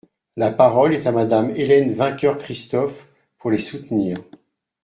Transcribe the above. La parole est à Madame Hélène Vainqueur-Christophe, pour les soutenir.